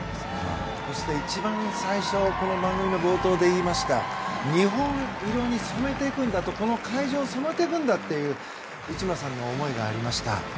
そして、一番最初この番組の冒頭で言いました日本色に染めていくんだとこの会場を染めていくんだという内村さんの思いがありました。